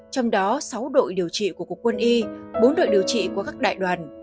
trong đó sáu đội điều trị của cục quân y bốn đội điều trị của các đại đoàn